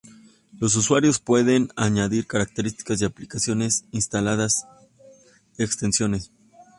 Los usuarios pueden añadir características y aplicaciones instalando extensiones.